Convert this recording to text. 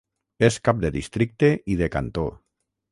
És cap de districte i de cantó.